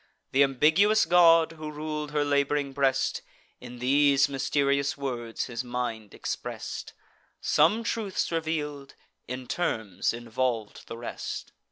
Th' ambiguous god, who rul'd her lab'ring breast, In these mysterious words his mind express'd; Some truths reveal'd, in terms involv'd the rest.